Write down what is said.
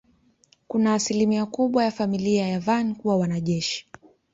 Kuna asilimia kubwa ya familia ya Van kuwa wanajeshi.